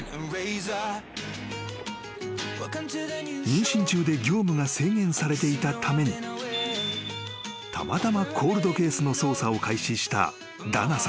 ［妊娠中で業務が制限されていたためにたまたまコールドケースの捜査を開始したダナさん］